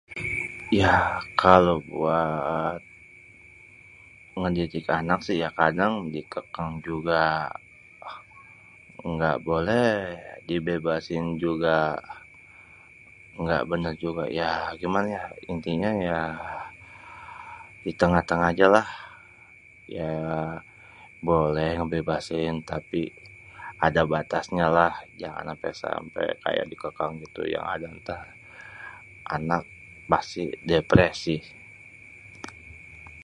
ya kalo buat ngedidik anak si ya kadang di kekang juga èngga boleh dibebasin juga èngga bênêr juga ya cuman ya intinya ya ditengah-tengah ajalah ya boleh ngebebasin tapi ada batasnya lah jangan ampé sampé kaya dikekang gitu yang ada ntar anak pasti depresi.